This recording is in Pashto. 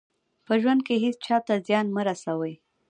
په ژوند کې هېڅ چا ته زیان مه رسوئ.